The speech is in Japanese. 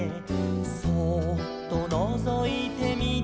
「そうっとのぞいてみてました」